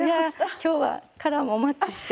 今日はカラーもマッチして。